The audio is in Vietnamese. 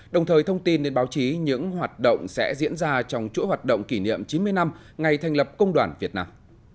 đồng thời thông tin đến báo chí những hoạt động sẽ diễn ra trong chuỗi hoạt động kỷ niệm chín mươi năm ngày thành lập công đoàn việt nam